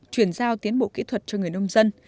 chuyển giao tiến bộ kỹ thuật cho người nông dân